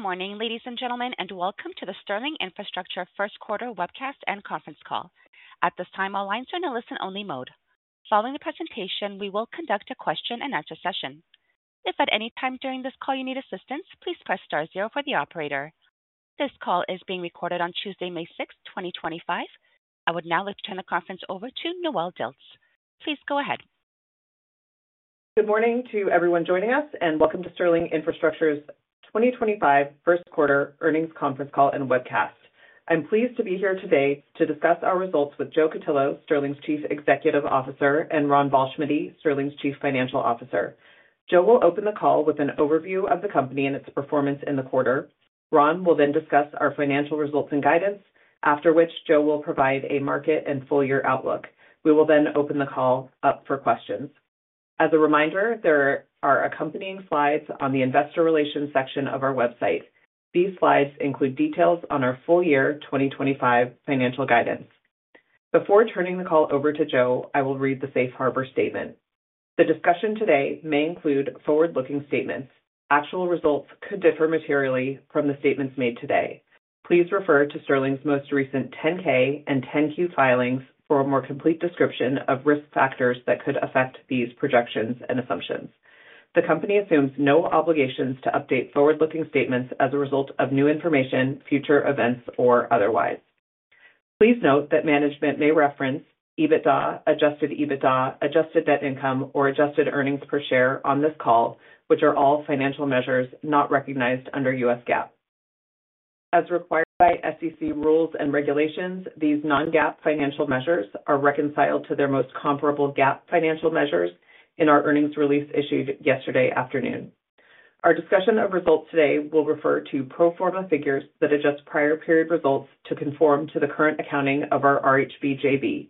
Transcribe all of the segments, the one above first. Good morning, ladies and gentlemen, and welcome to the Sterling Infrastructure First Quarter webcast and conference call. At this time, all lines are in a listen-only mode. Following the presentation, we will conduct a question-and-answer session. If at any time during this call you need assistance, please press star 0 for the operator. This call is being recorded on Tuesday, May 6, 2025. I would now like to turn the conference over to Noelle Dilts. Please go ahead. Good morning to everyone joining us, and welcome to Sterling Infrastructure's 2025 First Quarter earnings conference call and webcast. I'm pleased to be here today to discuss our results with Joe Cutillo, Sterling's Chief Executive Officer, and Ron Ballschmiede, Sterling's Chief Financial Officer. Joe will open the call with an overview of the company and its performance in the quarter. Ron will then discuss our financial results and guidance, after which Joe will provide a market and full-year outlook. We will then open the call up for questions. As a reminder, there are accompanying slides on the Investor Relations section of our website. These slides include details on our full-year 2025 financial guidance. Before turning the call over to Joe, I will read the Safe Harbor Statement. The discussion today may include forward-looking statements. Actual results could differ materially from the statements made today. Please refer to Sterling's most recent 10-K and 10-Q filings for a more complete description of risk factors that could affect these projections and assumptions. The company assumes no obligations to update forward-looking statements as a result of new information, future events, or otherwise. Please note that management may reference EBITDA, adjusted EBITDA, adjusted net income, or adjusted earnings per share on this call, which are all financial measures not recognized under U.S. GAAP. As required by SEC rules and regulations, these non-GAAP financial measures are reconciled to their most comparable GAAP financial measures in our earnings release issued yesterday afternoon. Our discussion of results today will refer to pro forma figures that adjust prior period results to conform to the current accounting of our RHB JV.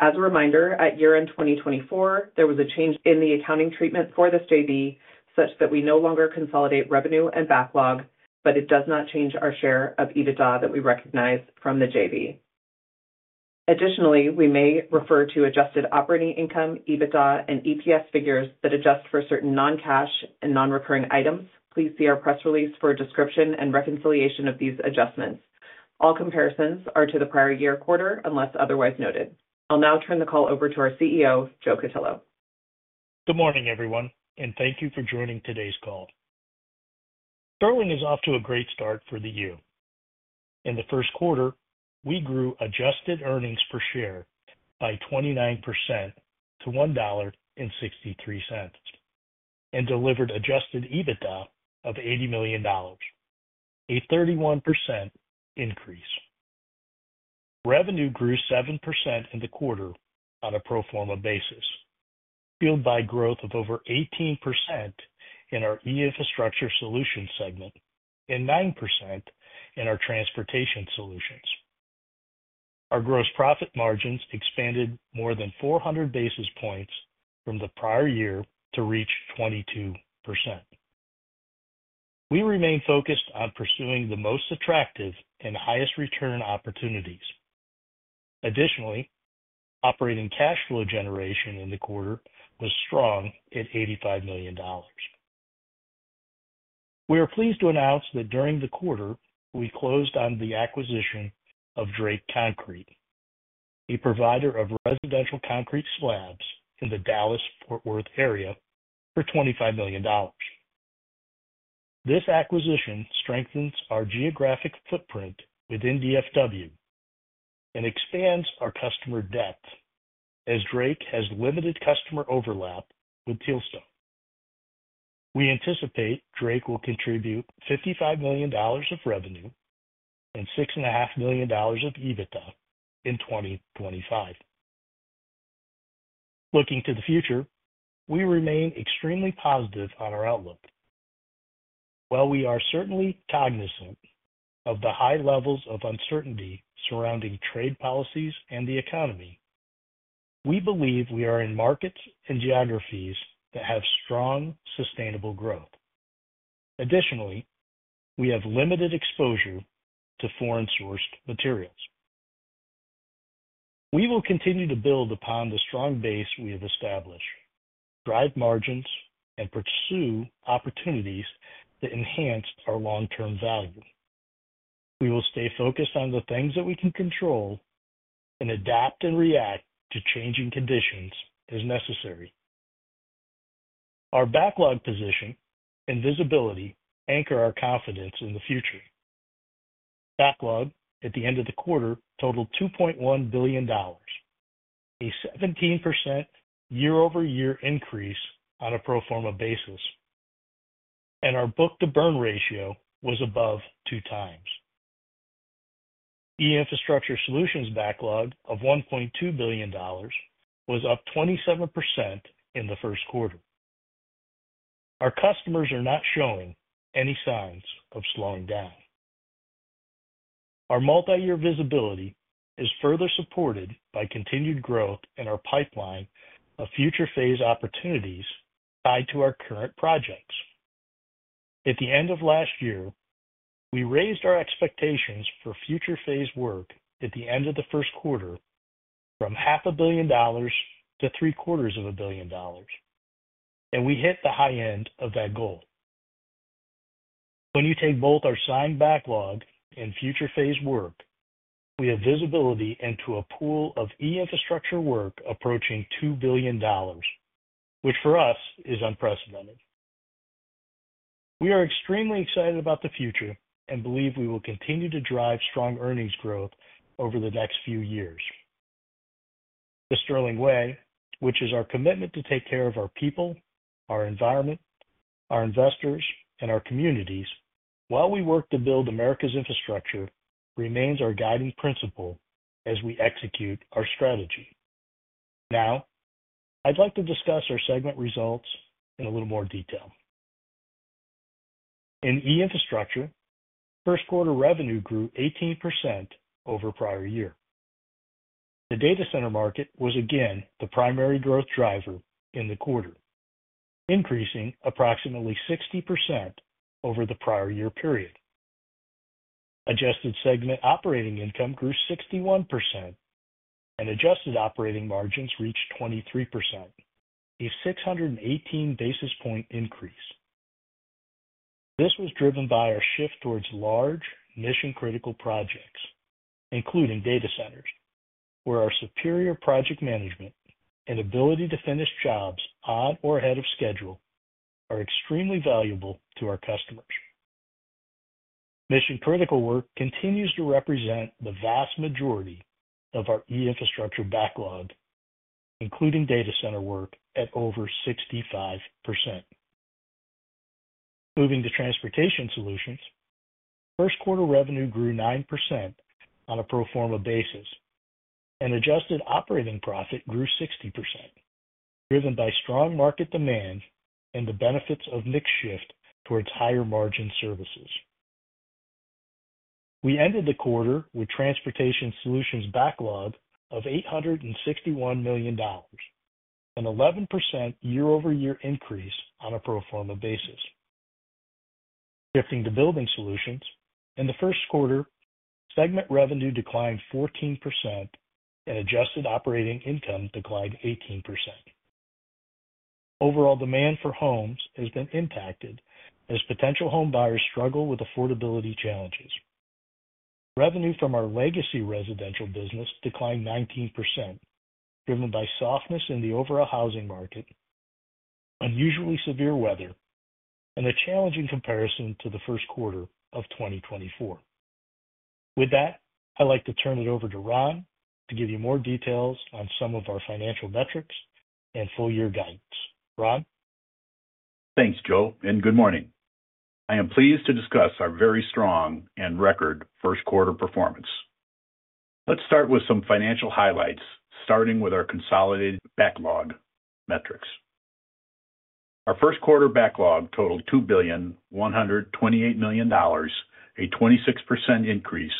As a reminder, at year-end 2024, there was a change in the accounting treatment for this JB such that we no longer consolidate revenue and backlog, but it does not change our share of EBITDA that we recognize from the JB. Additionally, we may refer to adjusted operating income, EBITDA, and EPS figures that adjust for certain non-cash and non-recurring items. Please see our press release for a description and reconciliation of these adjustments. All comparisons are to the prior year quarter unless otherwise noted. I'll now turn the call over to our CEO, Joe Cutillo. Good morning, everyone, and thank you for joining today's call. Sterling is off to a great start for the year. In the first quarter, we grew adjusted earnings per share by 29% to $1.63 and delivered adjusted EBITDA of $80 million, a 31% increase. Revenue grew 7% in the quarter on a pro forma basis, fueled by growth of over 18% in our E-Infrastructure Solutions segment and 9% in our Transportation Solutions. Our gross profit margins expanded more than 400 basis points from the prior year to reach 22%. We remain focused on pursuing the most attractive and highest return opportunities. Additionally, operating cash flow generation in the quarter was strong at $85 million. We are pleased to announce that during the quarter, we closed on the acquisition of Drake Concrete, a provider of residential concrete slabs in the Dallas-Fort Worth area, for $25 million. This acquisition strengthens our geographic footprint within DFW and expands our customer depth as Drake has limited customer overlap with Telelstone. We anticipate Drake will contribute $55 million of revenue and $6.5 million of EBITDA in 2025. Looking to the future, we remain extremely positive on our outlook. While we are certainly cognizant of the high levels of uncertainty surrounding trade policies and the economy, we believe we are in markets and geographies that have strong, sustainable growth. Additionally, we have limited exposure to foreign-sourced materials. We will continue to build upon the strong base we have established, drive margins, and pursue opportunities to enhance our long-term value. We will stay focused on the things that we can control and adapt and react to changing conditions as necessary. Our backlog position and visibility anchor our confidence in the future. Backlog at the end of the quarter totaled $2.1 billion, a 17% year-over-year increase on a pro forma basis, and our book-to-burn ratio was above two times. E-Infrastructure Solutions' backlog of $1.2 billion was up 27% in the first quarter. Our customers are not showing any signs of slowing down. Our multi-year visibility is further supported by continued growth in our pipeline of future phase opportunities tied to our current projects. At the end of last year, we raised our expectations for future phase work at the end of the first quarter from $500,000,000 to $750,000,000, and we hit the high end of that goal. When you take both our signed backlog and future phase work, we have visibility into a pool of E-Infrastructure work approaching $2 billion, which for us is unprecedented. We are extremely excited about the future and believe we will continue to drive strong earnings growth over the next few years. The Sterling Way, which is our commitment to take care of our people, our environment, our investors, and our communities while we work to build America's infrastructure, remains our guiding principle as we execute our strategy. Now, I'd like to discuss our segment results in a little more detail. In E-Infrastructure, first-quarter revenue grew 18% over prior year. The data center market was again the primary growth driver in the quarter, increasing approximately 60% over the prior year period. Adjusted segment operating income grew 61%, and adjusted operating margins reached 23%, a 618 basis point increase. This was driven by our shift towards large, mission-critical projects, including data centers, where our superior project management and ability to finish jobs on or ahead of schedule are extremely valuable to our customers. Mission-critical work continues to represent the vast majority of our E-Infrastructure backlog, including data center work at over 65%. Moving to Transportation Solutions, first-quarter revenue grew 9% on a pro forma basis, and adjusted operating profit grew 60%, driven by strong market demand and the benefits of mixed shift towards higher margin services. We ended the quarter with Transportation Solutions' backlog of $861 million, an 11% year-over-year increase on a pro forma basis. Shifting to Building Solutions, in the first quarter, segment revenue declined 14% and adjusted operating income declined 18%. Overall demand for homes has been impacted as potential home buyers struggle with affordability challenges. Revenue from our legacy residential business declined 19%, driven by softness in the overall housing market, unusually severe weather, and a challenging comparison to the first quarter of 2024. With that, I'd like to turn it over to Ron to give you more details on some of our financial metrics and full-year guidance. Ron? Thanks, Joe, and good morning. I am pleased to discuss our very strong and record first-quarter performance. Let's start with some financial highlights, starting with our consolidated backlog metrics. Our first-quarter backlog totaled $2,128 million, a 26% increase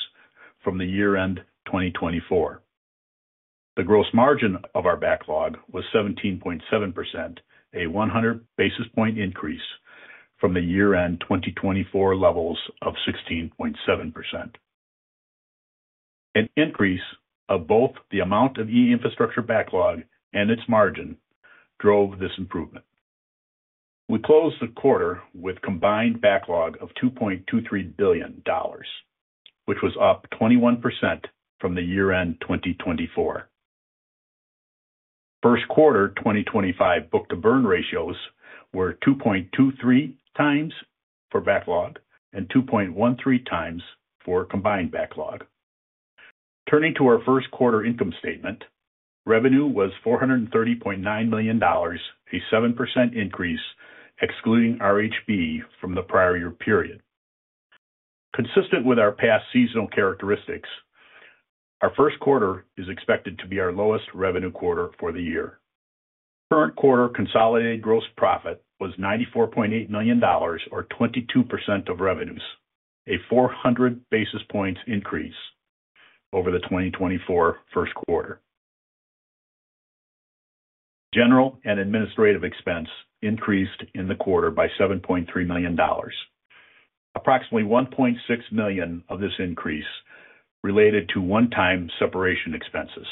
from the year-end 2024. The gross margin of our backlog was 17.7%, a 100 basis point increase from the year-end 2024 levels of 16.7%. An increase of both the amount of E-Infrastructure backlog and its margin drove this improvement. We closed the quarter with a combined backlog of $2.23 billion, which was up 21% from the year-end 2024. First-quarter 2025 book-to-burn ratios were 2.23 times for backlog and 2.13 times for combined backlog. Turning to our first-quarter income statement, revenue was $430.9 million, a 7% increase excluding RHB from the prior year period. Consistent with our past seasonal characteristics, our first quarter is expected to be our lowest revenue quarter for the year. Current quarter consolidated gross profit was $94.8 million, or 22% of revenues, a 400 basis points increase over the 2024 first quarter. General and administrative expense increased in the quarter by $7.3 million. Approximately $1.6 million of this increase related to one-time separation expenses.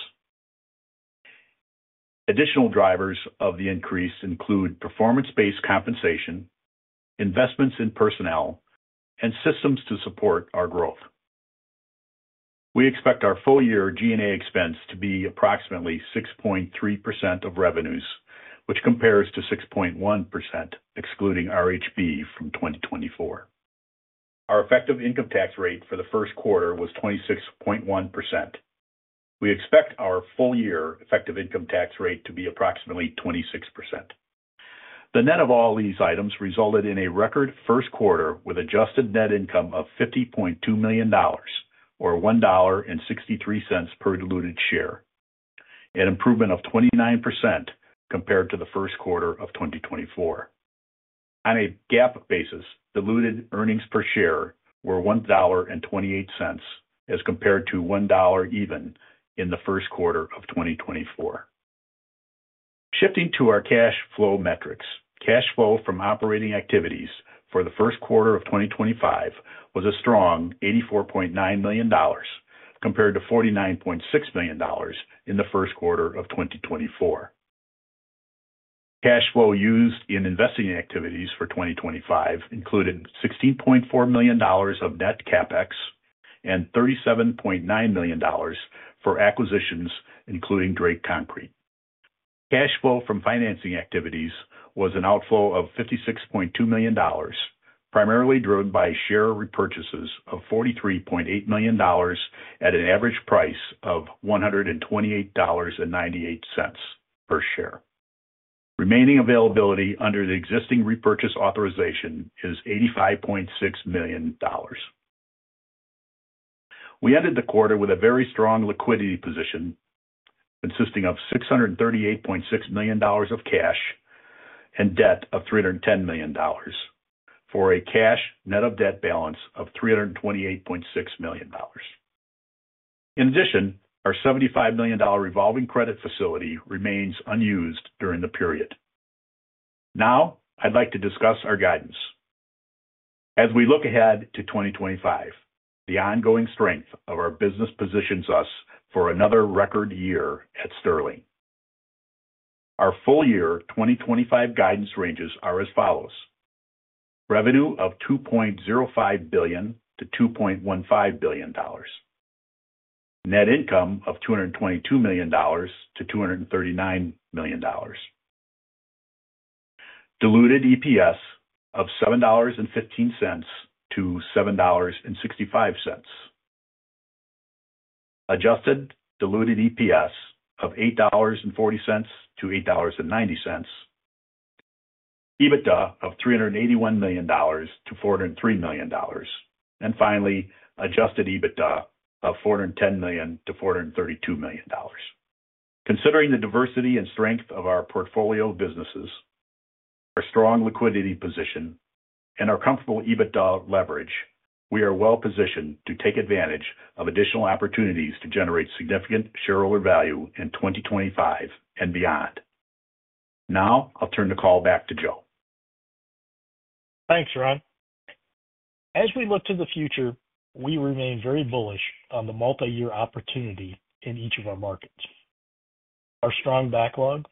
Additional drivers of the increase include performance-based compensation, investments in personnel, and systems to support our growth. We expect our full-year G&A expense to be approximately 6.3% of revenues, which compares to 6.1% excluding RHB from 2024. Our effective income tax rate for the first quarter was 26.1%. We expect our full-year effective income tax rate to be approximately 26%. The net of all these items resulted in a record first quarter with adjusted net income of $50.2 million, or $1.63 per diluted share, an improvement of 29% compared to the first quarter of 2024. On a GAAP basis, diluted earnings per share were $1.28 as compared to $1.00 even in the first quarter of 2024. Shifting to our cash flow metrics, cash flow from operating activities for the first quarter of 2025 was a strong $84.9 million compared to $49.6 million in the first quarter of 2024. Cash flow used in investing activities for 2025 included $16.4 million of net CapEx and $37.9 million for acquisitions, including Drake Concrete. Cash flow from financing activities was an outflow of $56.2 million, primarily driven by share repurchases of $43.8 million at an average price of $128.98 per share. Remaining availability under the existing repurchase authorization is $85.6 million. We ended the quarter with a very strong liquidity position consisting of $638.6 million of cash and debt of $310 million, for a cash net of debt balance of $328.6 million. In addition, our $75 million revolving credit facility remains unused during the period. Now, I'd like to discuss our guidance. As we look ahead to 2025, the ongoing strength of our business positions us for another record year at Sterling. Our full-year 2025 guidance ranges are as follows: Revenue of $2.05 billion-$2.15 billion. Net income of $222 million-$239 million. Diluted EPS of $7.15-$7.65. Adjusted diluted EPS of $8.40-$8.90. EBITDA of $381 million-$403 million. Finally, adjusted EBITDA of $410 million-$432 million. Considering the diversity and strength of our portfolio of businesses, our strong liquidity position, and our comfortable EBITDA leverage, we are well-positioned to take advantage of additional opportunities to generate significant shareholder value in 2025 and beyond. Now, I'll turn the call back to Joe. Thanks, Ron. As we look to the future, we remain very bullish on the multi-year opportunity in each of our markets. Our strong backlog,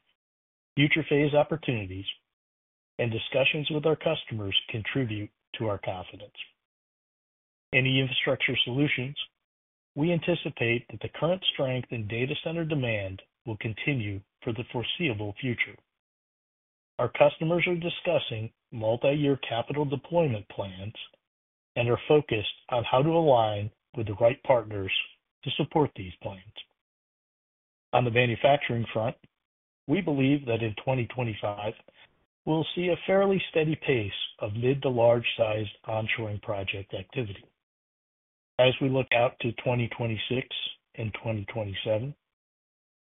future phase opportunities, and discussions with our customers contribute to our confidence. In E-Infrastructure Solutions, we anticipate that the current strength in data center demand will continue for the foreseeable future. Our customers are discussing multi-year capital deployment plans and are focused on how to align with the right partners to support these plans. On the manufacturing front, we believe that in 2025, we'll see a fairly steady pace of mid to large-sized onshoring project activity. As we look out to 2026 and 2027,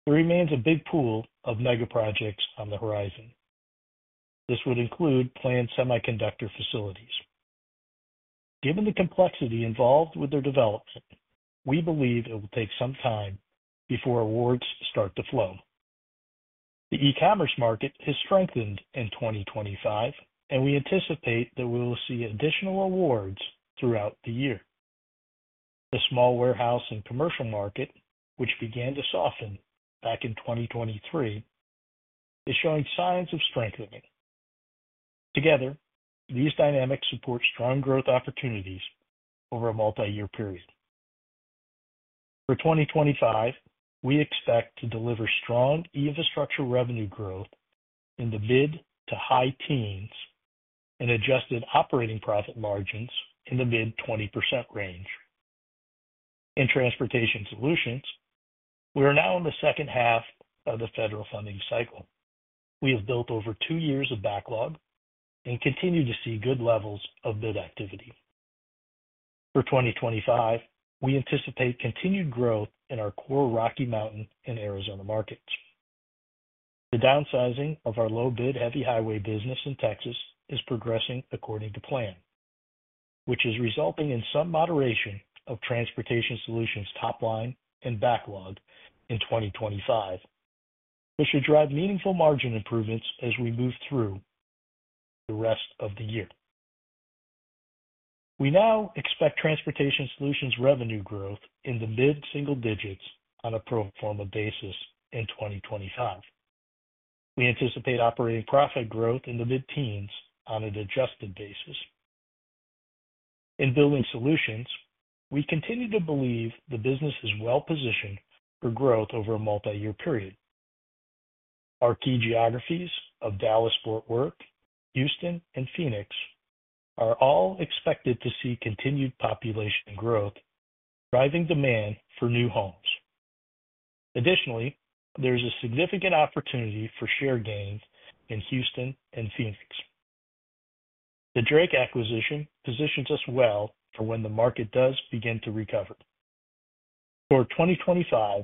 there remains a big pool of mega projects on the horizon. This would include planned semiconductor facilities. Given the complexity involved with their development, we believe it will take some time before awards start to flow. The e-commerce market has strengthened in 2025, and we anticipate that we will see additional awards throughout the year. The small-warehouse and commercial market, which began to soften back in 2023, is showing signs of strengthening. Together, these dynamics support strong growth opportunities over a multi-year period. For 2025, we expect to deliver strong E-Infrastructure revenue growth in the mid to high-teens and adjusted operating profit margins in the mid 20% range. In Transportation Solutions, we are now in the second half of the federal funding cycle. We have built over two years of backlog and continue to see good levels of bid activity. For 2025, we anticipate continued growth in our core Rocky Mountain and Arizona markets. The downsizing of our low-bid heavy highway business in Texas is progressing according to plan, which is resulting in some moderation of Transportation Solutions' top line and backlog in 2025, which should drive meaningful margin improvements as we move through the rest of the year. We now expect Transportation Solutions' revenue growth in the mid-single digits on a pro forma basis in 2025. We anticipate operating profit growth in the mid-teens on an adjusted basis. In Building Solutions, we continue to believe the business is well-positioned for growth over a multi-year period. Our key geographies of Dallas, Fort Worth, Houston, and Phoenix are all expected to see continued population growth, driving demand for new homes. Additionally, there is a significant opportunity for share gains in Houston and Phoenix. The Drake acquisition positions us well for when the market does begin to recover. For 2025,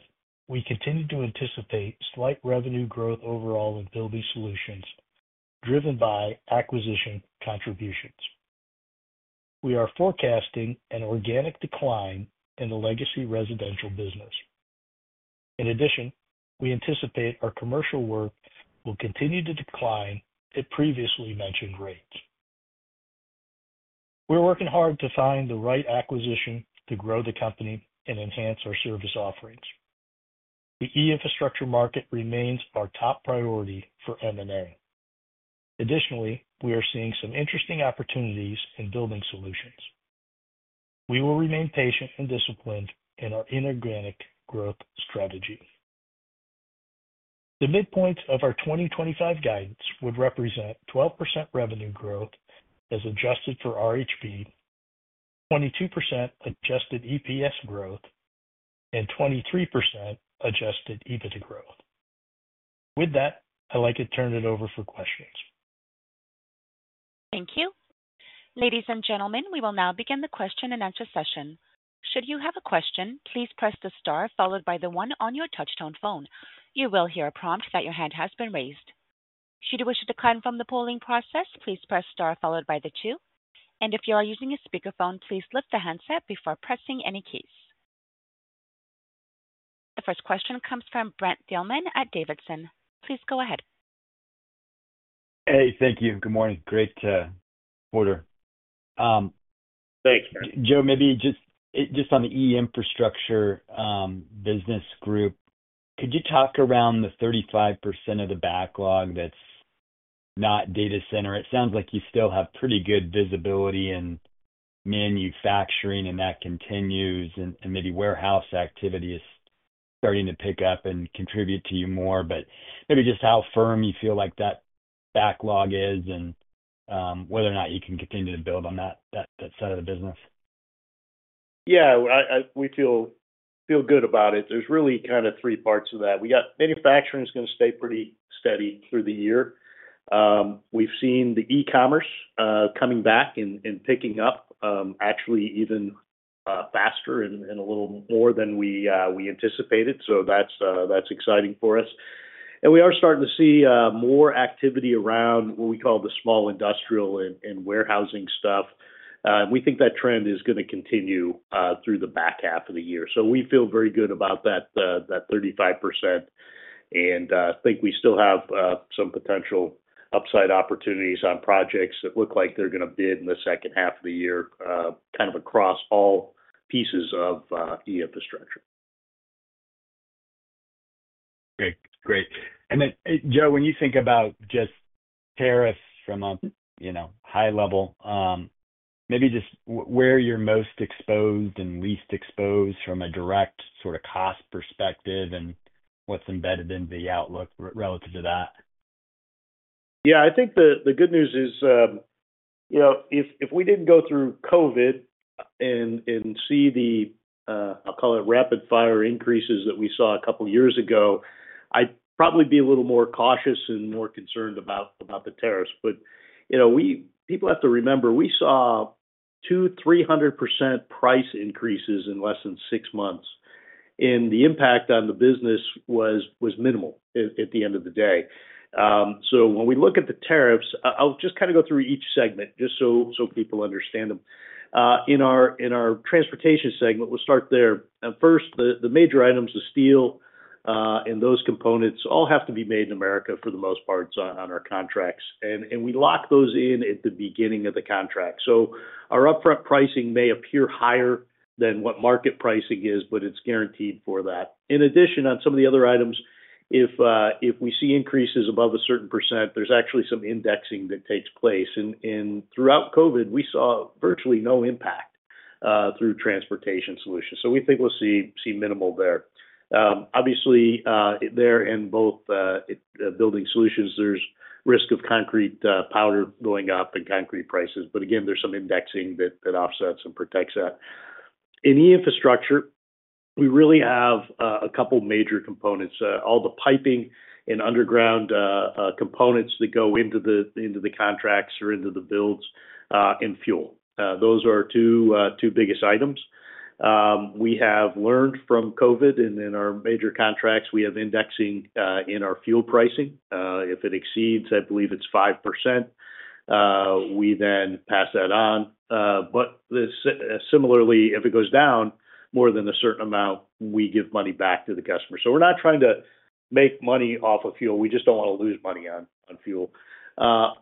we continue to anticipate slight revenue growth overall in Building Solutions, driven by acquisition contributions. We are forecasting an organic decline in the legacy residential business. In addition, we anticipate our commercial work will continue to decline at previously mentioned rates. We're working hard to find the right acquisition to grow the company and enhance our service offerings. The E-Infrastructure market remains our top priority for M&A. Additionally, we are seeing some interesting opportunities in Building Solutions. We will remain patient and disciplined in our inorganic growth strategy. The midpoint of our 2025 guidance would represent 12% revenue growth as adjusted for RHB, 22% adjusted EPS growth, and 23% adjusted EBITDA growth. With that, I'd like to turn it over for questions. Thank you. Ladies and gentlemen, we will now begin the question and answer session. Should you have a question, please press the star followed by the 1 on your touch-tone phone. You will hear a prompt that your hand has been raised. Should you wish to decline from the polling process, please press star followed by the 2. If you are using a speakerphone, please lift the handset before pressing any keys. The first question comes from Brent Thielman at Davidson. Please go ahead. Hey, thank you. Good morning. Great order. Thanks. Joe, maybe just on the E-Infrastructure business group, could you talk around the 35% of the backlog that's not data center? It sounds like you still have pretty good visibility in manufacturing, and that continues, and maybe warehouse activity is starting to pick up and contribute to you more. Maybe just how firm you feel like that backlog is and whether or not you can continue to build on that side of the business. Yeah, we feel good about it. There is really kind of three parts of that. Manufacturing is going to stay pretty steady through the year. We have seen the e-commerce coming back and picking up, actually even faster and a little more than we anticipated. That is exciting for us. We are starting to see more activity around what we call the small-industrial and warehousing stuff. We think that trend is going to continue through the back half of the year. We feel very good about that 35%, and I think we still have some potential upside opportunities on projects that look like they are going to bid in the second half of the year, kind of across all pieces of E-Infrastructure. Okay, great. Joe, when you think about just tariffs from a high level, maybe just where you're most exposed and least exposed from a direct sort of cost perspective and what's embedded in the outlook relative to that. Yeah, I think the good news is if we did not go through COVID and see the, I'll call it, rapid-fire increases that we saw a couple of years ago, I'd probably be a little more cautious and more concerned about the tariffs. People have to remember, we saw 200%-300% price increases in less than six months, and the impact on the business was minimal at the end of the day. When we look at the tariffs, I'll just kind of go through each segment just so people understand them. In our transportation segment, we'll start there. First, the major items, the steel and those components, all have to be made in America for the most part on our contracts. We lock those in at the beginning of the contract. Our upfront pricing may appear higher than what market pricing is, but it's guaranteed for that. In addition, on some of the other items, if we see increases above a certain %, there's actually some indexing that takes place. Throughout COVID, we saw virtually no impact through Transportation Solutions. We think we'll see minimal there. Obviously, in both Building Solutions, there's risk of concrete powder going up and concrete prices. Again, there's some indexing that offsets and protects that. In E-Infrastructure, we really have a couple of major components, all the piping and underground components that go into the contracts or into the builds and fuel. Those are our two biggest items. We have learned from COVID, and in our major contracts, we have indexing in our fuel pricing. If it exceeds, I believe it's 5%, we then pass that on. Similarly, if it goes down more than a certain amount, we give money back to the customer. We are not trying to make money off of fuel. We just do not want to lose money on fuel.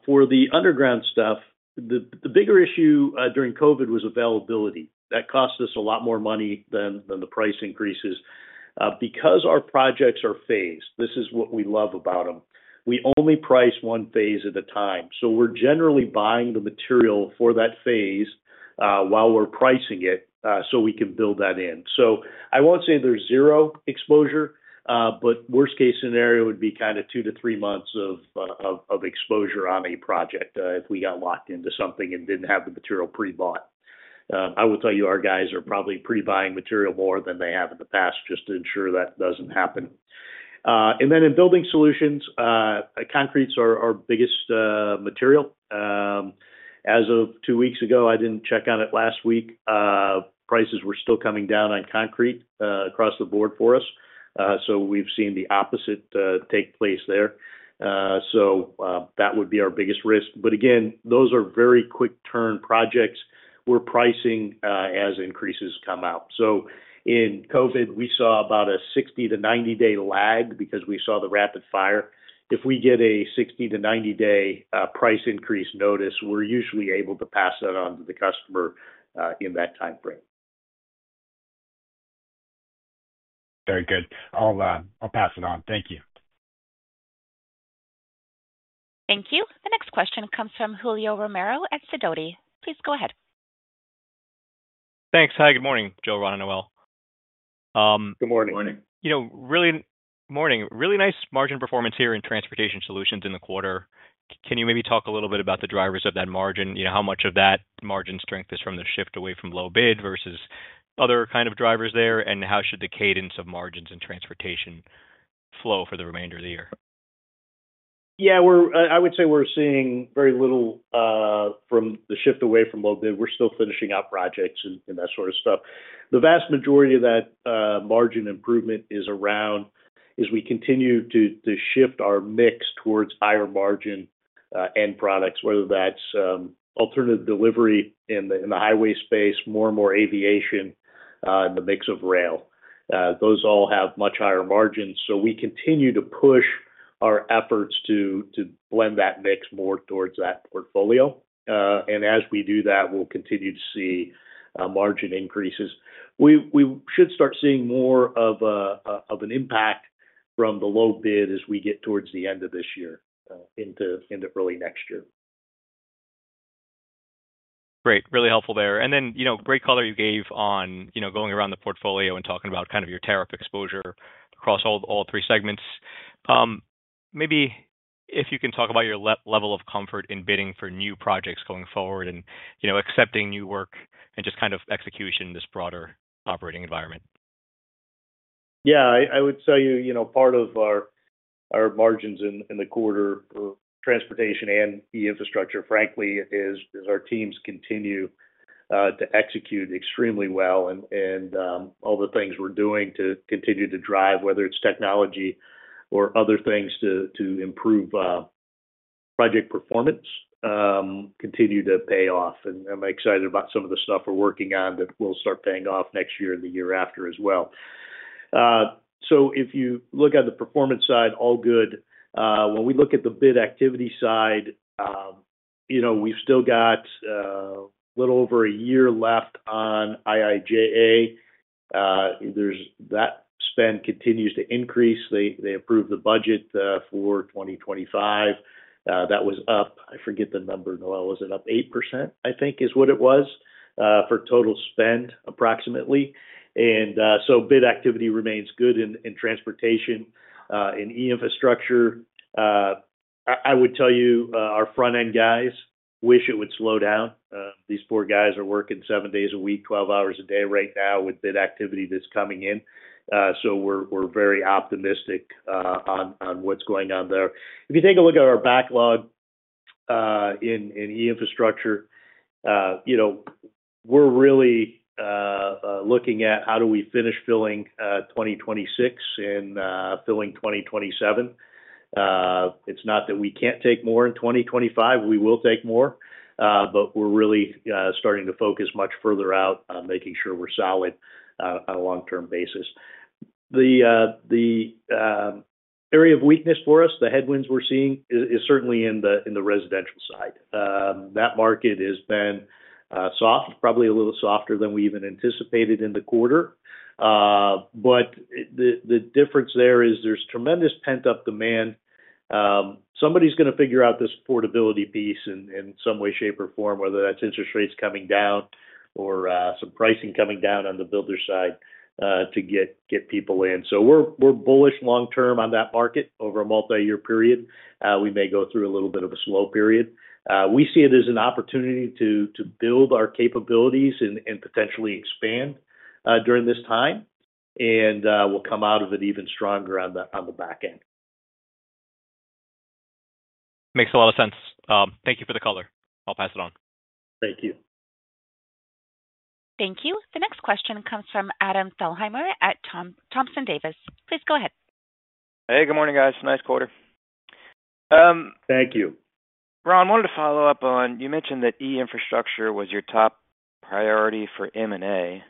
For the underground stuff, the bigger issue during COVID was availability. That cost us a lot more money than the price increases. Because our projects are phased, this is what we love about them. We only price one phase at a time. We are generally buying the material for that phase while we are pricing it so we can build that in. I will not say there is zero exposure, but worst-case scenario would be kind of two to three months of exposure on a project if we got locked into something and did not have the material pre-bought. I will tell you, our guys are probably pre-buying material more than they have in the past just to ensure that does not happen. In Building Solutions, concrete is our biggest material. As of two weeks ago, I did not check on it last week, prices were still coming down on concrete across the board for us. We have seen the opposite take place there. That would be our biggest risk. Again, those are very quick-turn projects we are pricing as increases come out. In COVID, we saw about a 60-90 day lag because we saw the rapid-fire. If we get a 60-90 day price increase notice, we are usually able to pass that on to the customer in that time frame. Very good. I'll pass it on. Thank you. Thank you. The next question comes from Julio Romero at Sidoti. Please go ahead. Thanks. Hi, good morning, Joe, Ron and Noelle. Good morning. Good morning. Really nice margin performance here in Transportation Solutions in the quarter. Can you maybe talk a little bit about the drivers of that margin? How much of that margin strength is from the shift away from low-bid versus other kind of drivers there, and how should the cadence of margins in transportation flow for the remainder of the year? Yeah, I would say we're seeing very little from the shift away from low-bid. We're still finishing out projects and that sort of stuff. The vast majority of that margin improvement is around as we continue to shift our mix towards higher margin end products, whether that's alternative delivery in the highway space, more and more aviation, and the mix of rail. Those all have much higher margins. We continue to push our efforts to blend that mix more towards that portfolio. As we do that, we'll continue to see margin increases. We should start seeing more of an impact from the low-bid as we get towards the end of this year into early next year. Great. Really helpful there. Great color you gave on going around the portfolio and talking about kind of your tariff exposure across all three segments. Maybe if you can talk about your level of comfort in bidding for new projects going forward and accepting new work and just kind of execution in this broader operating environment. Yeah, I would tell you part of our margins in the quarter for Transportation and E-Infrastructure, frankly, is our teams continue to execute extremely well. All the things we're doing to continue to drive, whether it's technology or other things to improve project performance, continue to pay off. I'm excited about some of the stuff we're working on that will start paying off next year and the year after as well. If you look at the performance side, all good. When we look at the bid activity side, we've still got a little over a year left on IIJA. That spend continues to increase. They approved the budget for 2025. That was up, I forget the number, Noelle, was it up 8%, I think, is what it was for total spend approximately. Bid activity remains good in Transportation. In E-Infrastructure, I would tell you our front-end guys wish it would slow down. These four guys are working seven days a week, 12 hours a day right now with bid activity that's coming in. We are very optimistic on what's going on there. If you take a look at our backlog in E-Infrastructure, we are really looking at how do we finish filling 2026 and filling 2027. It is not that we cannot take more in 2025. We will take more. We are really starting to focus much further out on making sure we are solid on a long-term basis. The area of weakness for us, the headwinds we are seeing, is certainly in the residential side. That market has been soft, probably a little softer than we even anticipated in the quarter. The difference there is there is tremendous pent-up demand. Somebody's going to figure out this affordability piece in some way, shape, or form, whether that's interest rates coming down or some pricing coming down on the builder side to get people in. We are bullish long-term on that market over a multi-year period. We may go through a little bit of a slow period. We see it as an opportunity to build our capabilities and potentially expand during this time. We will come out of it even stronger on the back end. Makes a lot of sense. Thank you for the color. I'll pass it on. Thank you. Thank you. The next question comes from Adam Thalhimer at Thompson Davis. Please go ahead. Hey, good morning, guys. Nice quarter. Thank you. Ron, I wanted to follow up on you mentioned that E-Infrastructure was your top priority for M&A.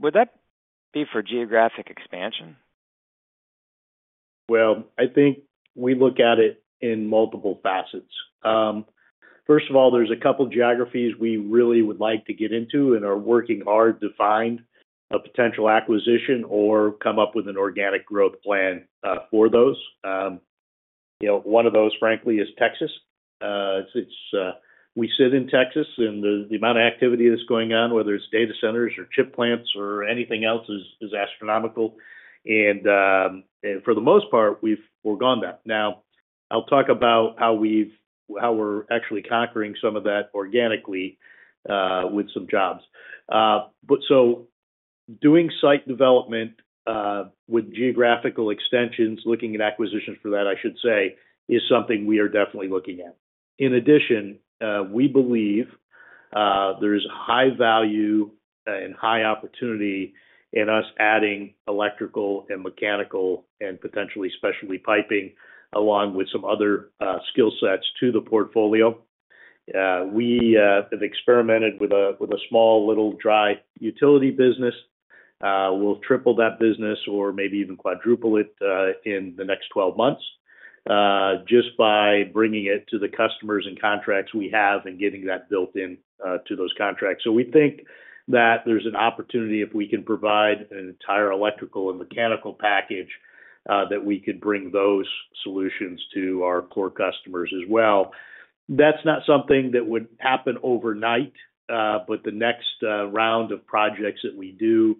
Would that be for geographic expansion? I think we look at it in multiple facets. First of all, there's a couple of geographies we really would like to get into and are working hard to find a potential acquisition or come up with an organic growth plan for those. One of those, frankly, is Texas. We sit in Texas, and the amount of activity that's going on, whether it's data centers or chip plants or anything else, is astronomical. For the most part, we've gone that. Now, I'll talk about how we're actually conquering some of that organically with some jobs. Doing site development with geographical extensions, looking at acquisitions for that, I should say, is something we are definitely looking at. In addition, we believe there is high value and high opportunity in us adding electrical and mechanical and potentially specialty piping along with some other skill sets to the portfolio. We have experimented with a small little dry utility business. We'll triple that business or maybe even quadruple it in the next 12 months just by bringing it to the customers and contracts we have and getting that built into those contracts. We think that there's an opportunity if we can provide an entire electrical and mechanical package that we could bring those solutions to our core customers as well. That's not something that would happen overnight. The next round of projects that we do,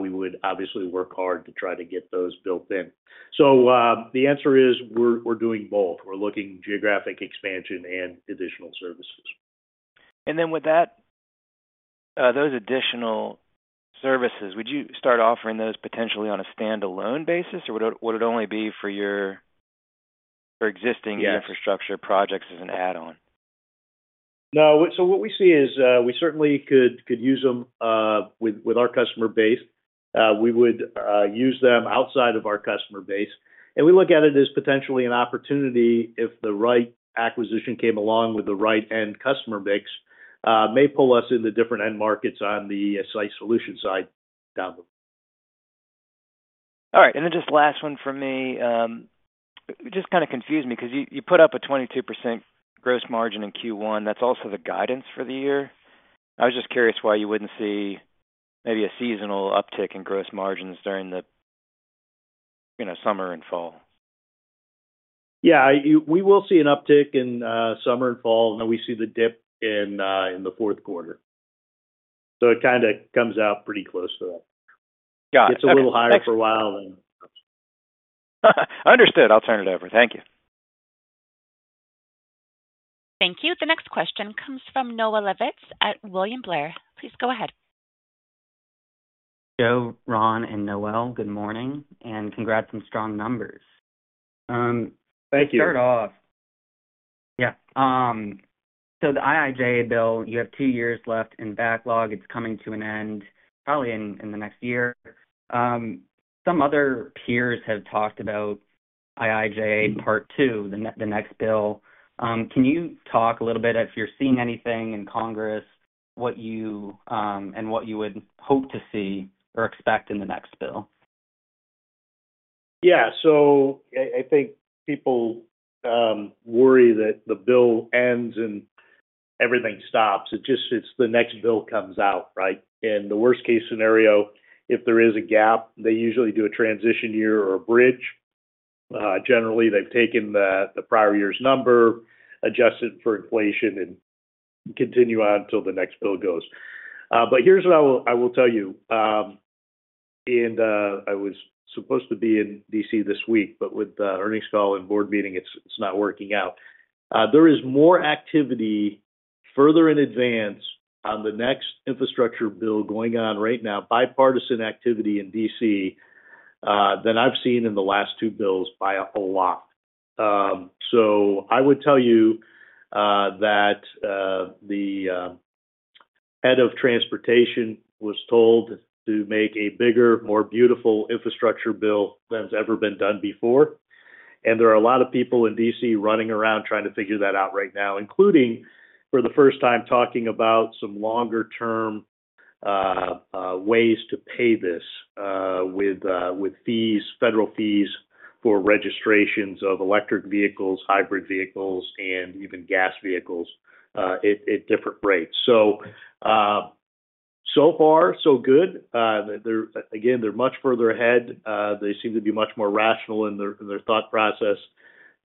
we would obviously work hard to try to get those built in. The answer is we're doing both. We're looking at geographic expansion and additional services. With those additional services, would you start offering those potentially on a standalone basis, or would it only be for existing infrastructure projects as an add-on? No. What we see is we certainly could use them with our customer base. We would use them outside of our customer base. We look at it as potentially an opportunity if the right acquisition came along with the right end customer mix, may pull us into different end markets on the site solution side down the road. All right. And then just last one for me. It just kind of confused me because you put up a 22% gross margin in Q1. That is also the guidance for the year. I was just curious why you would not see maybe a seasonal uptick in gross margins during the summer and fall. Yeah. We will see an uptick in summer and fall. We see the dip in the fourth quarter. It kind of comes out pretty close to that. Got it. Okay. It's a little higher for a while than. Understood. I'll turn it over. Thank you. Thank you. The next question comes from Noelle Dilts at William Blair. Please go ahead. Joe, Ron, and Noelle, good morning. Congrats on strong numbers. Thank you. To start off, yeah, so the IIJA bill, you have two years left in backlog. It's coming to an end probably in the next year. Some other peers have talked about IIJA part two, the next bill. Can you talk a little bit if you're seeing anything in Congress and what you would hope to see or expect in the next bill? Yeah. I think people worry that the bill ends and everything stops. The next bill comes out, right? In the worst-case scenario, if there is a gap, they usually do a transition year or a bridge. Generally, they've taken the prior year's number, adjusted for inflation, and continue on until the next bill goes. Here's what I will tell you. I was supposed to be in D.C. this week, but with the earnings call and board meeting, it's not working out. There is more activity further in advance on the next infrastructure bill going on right now, bipartisan activity in D.C. than I've seen in the last two bills by a whole lot. I would tell you that the head of Transportation was told to make a bigger, more beautiful infrastructure bill than's ever been done before. There are a lot of people in D.C. running around trying to figure that out right now, including for the first time talking about some longer-term ways to pay this with federal fees for registrations of electric vehicles, hybrid vehicles, and even gas vehicles at different rates. So far, so good. Again, they're much further ahead. They seem to be much more rational in their thought process.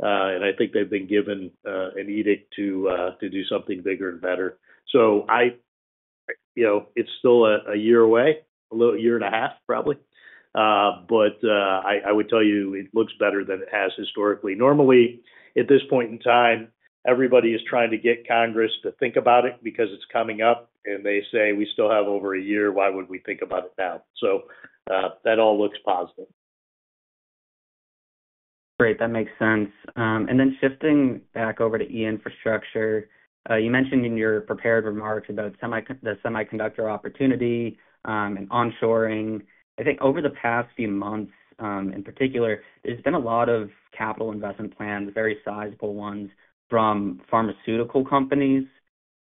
I think they've been given an edict to do something bigger and better. It is still a year away, a year and a half, probably. I would tell you it looks better than it has historically. Normally, at this point in time, everybody is trying to get Congress to think about it because it is coming up. They say, "We still have over a year. Why would we think about it now?" That all looks positive. Great. That makes sense. Then shifting back over to E-Infrastructure, you mentioned in your prepared remarks about the semiconductor opportunity and onshoring. I think over the past few months, in particular, there has been a lot of capital investment plans, very sizable ones, from pharmaceutical companies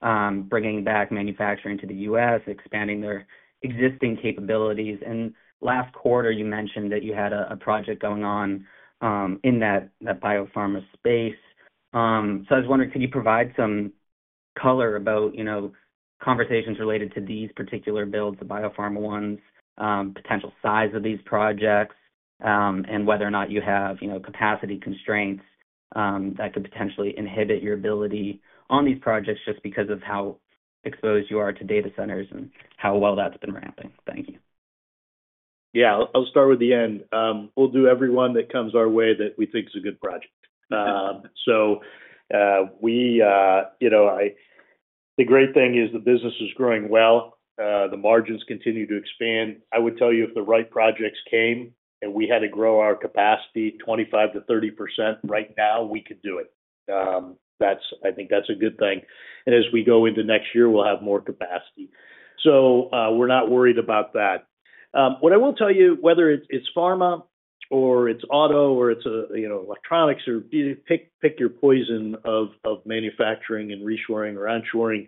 bringing back manufacturing to the U.S., expanding their existing capabilities. Last quarter, you mentioned that you had a project going on in that biopharma space. I was wondering, could you provide some color about conversations related to these particular builds, the biopharma ones, potential size of these projects, and whether or not you have capacity constraints that could potentially inhibit your ability on these projects just because of how exposed you are to data centers and how well that has been ramping? Thank you. Yeah. I'll start with the end. We'll do every one that comes our way that we think is a good project. The great thing is the business is growing well. The margins continue to expand. I would tell you if the right projects came and we had to grow our capacity 25-30% right now, we could do it. I think that's a good thing. As we go into next year, we'll have more capacity. We're not worried about that. What I will tell you, whether it's pharma or it's auto or it's electronics or pick your poison of manufacturing and reshoring or onshoring,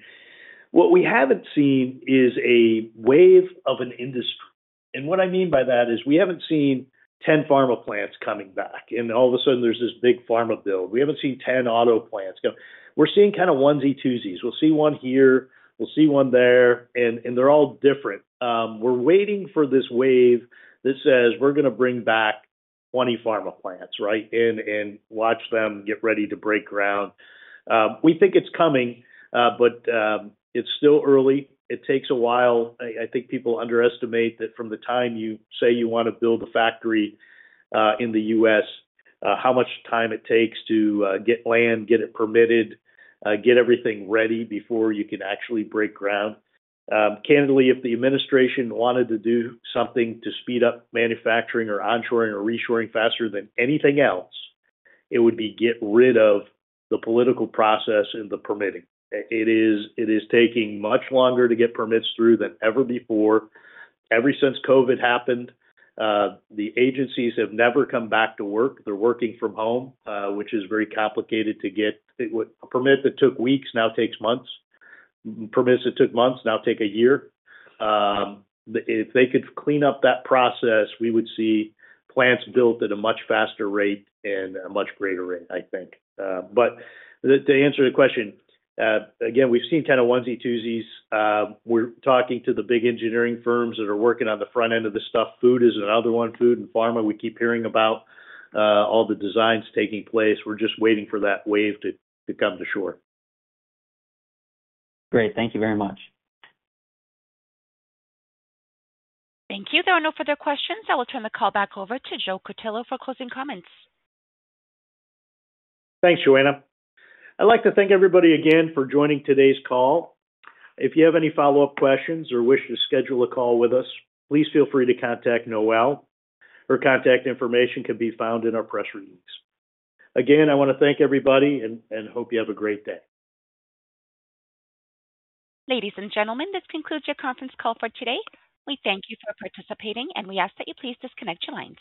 what we haven't seen is a wave of an industry. What I mean by that is we haven't seen 10 pharma plants coming back. All of a sudden, there's this big pharma build. We haven't seen 10 auto plants. We're seeing kind of onesies, twosies. We'll see one here. We'll see one there. They're all different. We're waiting for this wave that says we're going to bring back 20 pharma plants, right, and watch them get ready to break ground. We think it's coming, but it's still early. It takes a while. I think people underestimate that from the time you say you want to build a factory in the U.S., how much time it takes to get land, get it permitted, get everything ready before you can actually break ground. Candidly, if the administration wanted to do something to speed up manufacturing or onshoring or reshoring faster than anything else, it would be get rid of the political process and the permitting. It is taking much longer to get permits through than ever before. Ever since COVID happened, the agencies have never come back to work. They're working from home, which is very complicated to get. A permit that took weeks now takes months. Permits that took months now take a year. If they could clean up that process, we would see plants built at a much faster rate and a much greater rate, I think. To answer the question, again, we've seen kind of onesies, twosies. We're talking to the big engineering firms that are working on the front end of this stuff. Food is another one. Food and pharma, we keep hearing about all the designs taking place. We're just waiting for that wave to come to shore. Great. Thank you very much. Thank you. There are no further questions. I will turn the call back over to Joe Cutillo for closing comments. Thanks, Joanna. I'd like to thank everybody again for joining today's call. If you have any follow-up questions or wish to schedule a call with us, please feel free to contact Noelle. Her contact information can be found in our press release. Again, I want to thank everybody and hope you have a great day. Ladies and gentlemen, this concludes your conference call for today. We thank you for participating, and we ask that you please disconnect your lines.